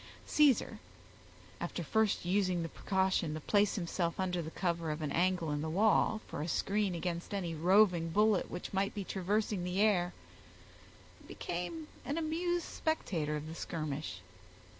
Caesar, after first using the precaution to place himself under the cover of an angle in the wall, for a screen against any roving bullet which might be traversing the air, became an amused spectator of the skirmish.